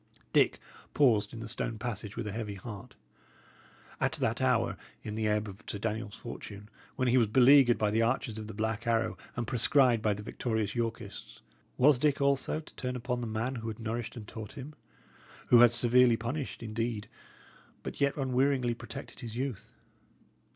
Dick paused in the stone passage with a heavy heart. At that hour, in the ebb of Sir Daniel's fortune, when he was beleaguered by the archers of the Black Arrow and proscribed by the victorious Yorkists, was Dick, also, to turn upon the man who had nourished and taught him, who had severely punished, indeed, but yet unwearyingly protected his youth?